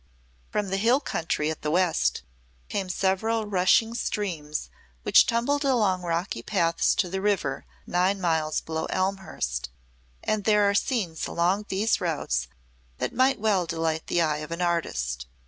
From the hill country at the west came several rushing streams which tumbled along rocky paths to the river nine miles below Elmhurst, and there are scenes along these routes that might well delight the eye of an artist.